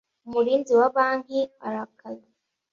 umurinzi wa banki arakaze